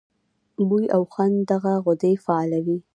بوۍ او خوند دغه غدې فعالوي.